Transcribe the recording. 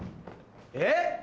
えっ？